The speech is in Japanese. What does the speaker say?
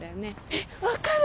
えっ分かる！